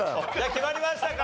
決まりましたか？